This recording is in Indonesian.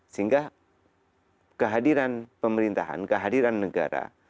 sehingga kehadiran pemerintahan kehadiran negara